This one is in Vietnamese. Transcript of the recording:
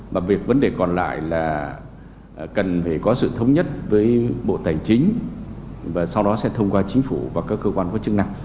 mà việc vấn đề còn lại là cần phải có sự thống nhất với bộ tài chính và sau đó sẽ thông qua chính phủ và các cơ quan có chức năng